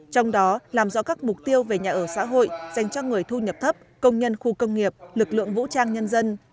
trong đó làm rõ các mục tiêu về nhà ở xã hội dành cho người thu nhập thấp công nhân khu công nghiệp lực lượng vũ trang nhân dân